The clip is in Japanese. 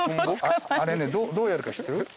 あれどうやるか知ってる？